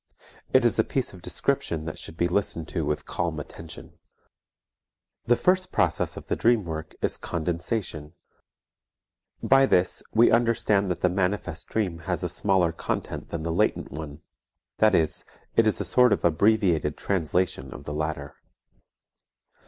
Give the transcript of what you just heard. It is a piece of description that should be listened to with calm attention. The first process of the dream work is condensation. By this we understand that the manifest dream has a smaller content than the latent one, that is, it is a sort of abbreviated translation of the latter.